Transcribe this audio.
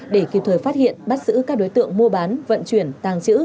để kịp thời phát hiện bắt giữ các đối tượng mua bán vận chuyển tàng trữ